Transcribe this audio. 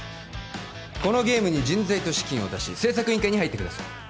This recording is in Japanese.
このゲームに人材と資金を出し製作委員会に入ってください